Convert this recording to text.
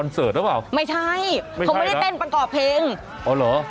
น่าเปล่าไม่ใช่ไม่ใช่ผมไม่ได้เต้นประกอบเพลงอ๋อเหรอ